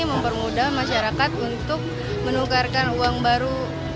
mempermudah masyarakat untuk menukarkan uang baru